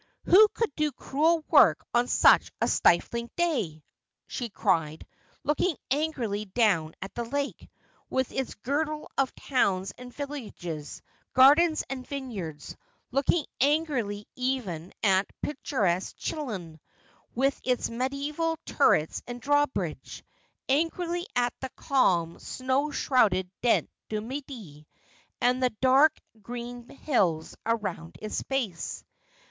'Who could do crewel work on such a stifling day?' she cried, looking angrily down at the lake, with its girdle of towns and villages, gardens and vineyards ; looking angrily even at picturesque Chillon, with its mediaeval turrets and drawbridge, angrily at the calm, snow shrouded Dent du Midi, and the dark green hills around its base.